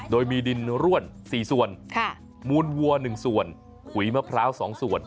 โดยมีดินร่วน๔ส่วนมูลวัว๑ส่วนขุยมะพร้าว๒ส่วน